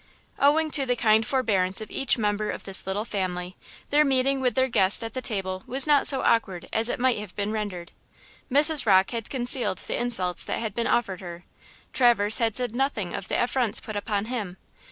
Owing to the kind forbearance of each member of this little family, their meeting with their guest at the table was not so awkward as it might have been rendered. Mrs. Rocke had concealed the insults that had been offered her; Traverse had said nothing of the affronts put upon him.